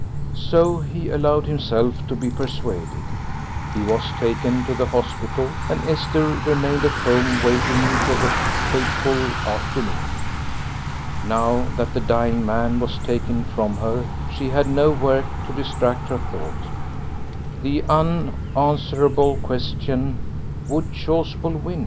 So he allowed himself to be persuaded; he was taken to the hospital, and Esther remained at home waiting for the fateful afternoon. Now that the dying man was taken from her she had no work to distract her thought. The unanswerable question would Chasuble win?